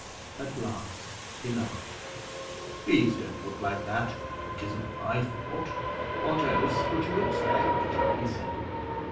At last he laughed. 'Please don't look like that. It isn't my fault. What else could you expect?' he said.